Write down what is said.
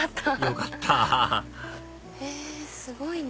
よかったへぇすごいね